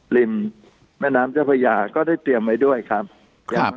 ริมแม่น้ำเจ้าพระยาก็ได้เตรียมไว้ด้วยครับครับ